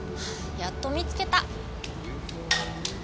やっと見つけた。